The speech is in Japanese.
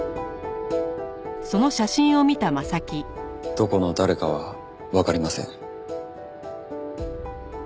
どこの誰かはわかりません。